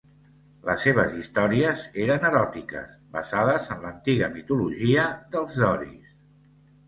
Les seves històries eren eròtiques, basades en l'antiga mitologia dels doris.